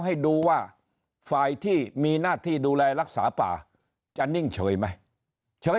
ให้ดูว่าฝ่ายที่มีหน้าที่ดูแลรักษาป่าจะนิ่งเฉยไหมเฉย